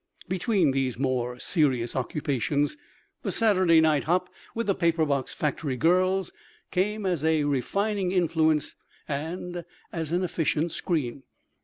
Between these more serious occupations the Saturday night hop with the paper box factory girls came as a refining influence and as an efficient screen.